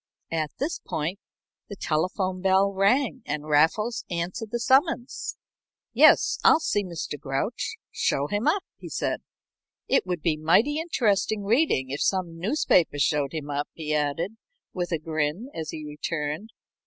At this point the telephone bell rang and Raffles answered the summons. "Yes, I'll see Mr. Grouch. Show him up," he said. "It would be mighty interesting reading if some newspaper showed him up," he added, with a grin, as he returned.